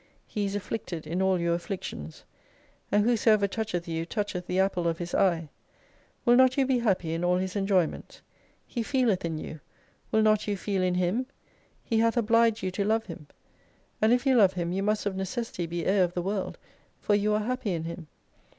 He is afflicted in all your afflictions. And who soever toucheth you, touclieth the apple of His eye Will not you be happy in all His enjoyments ? He feeleth in you ; will not you feel in Him ? He hath obliged you to love Him. And if you love Him, you must of necessity be Heir of the World, for you are happy in Him.